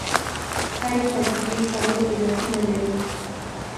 هرې پدیدې څلور علتونه لري.